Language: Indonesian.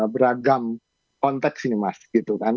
beragam konteks ini mas gitu kan